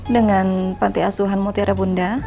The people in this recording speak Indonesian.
dengan pantai asuhan motiara bunda